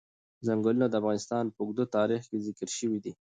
ځنګلونه د افغانستان په اوږده تاریخ کې ذکر شوی دی.